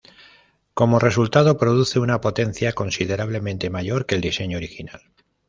Como resultado, produce una potencia considerablemente mayor que el diseño original.